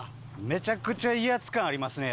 めちゃくちゃ威圧感ありますね。